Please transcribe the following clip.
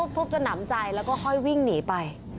ทุบจนหนำใจแล้วก็ค่อยวิ่งหนีไป